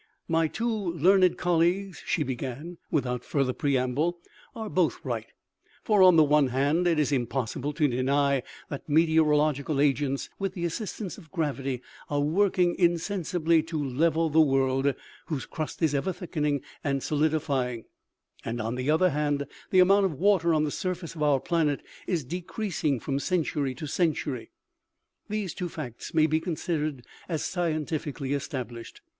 " My two learned colleagues," she began, without fur ther preamble, " are both right ; for, on the one hand, it is impossible to deny that meteorological agents, with the assistance of gravity, are working insensibly to level the world, whose crust is ever thickening and solidifying ; and, on the other hand, the amount of water on the surface of our planet is decreasing from century to century. These two facts may be considered as scientifically established.